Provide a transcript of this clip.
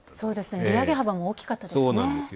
値上げ幅も大きかったですね。